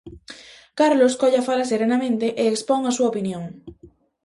Carlos colle a fala serenamente e expón a súa opinión.